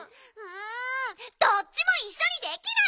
どっちもいっしょにできないッピ！